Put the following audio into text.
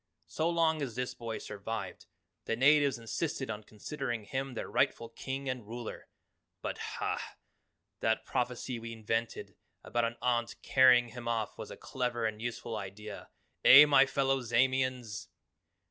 So long as this boy survived, the natives insisted on considering him their rightful King and Ruler. But, hah! that prophecy we invented about an aunt carrying him off was a clever and useful idea eh, my fellow Zamians?